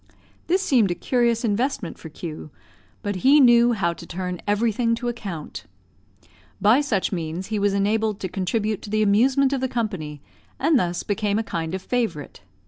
This seemed a curious investment for Q , but he knew how to turn everything to account. By such means he was enabled to contribute to the amusement of the company, and thus became a kind of favourite.